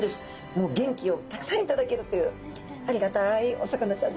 もう元気をたくさん頂けるというありがたいお魚ちゃんです。